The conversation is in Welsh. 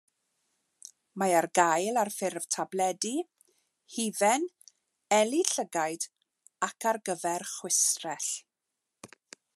Mae ar gael ar ffurf tabledi, hufen, eli llygaid ac ar gyfer chwistrell.